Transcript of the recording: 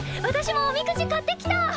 私もおみくじ買ってきた！